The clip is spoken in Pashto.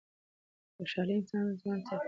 خوشحالي انسان ځوان ساتي.